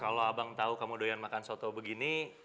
kalau abang tahu kamu doyan makan soto begini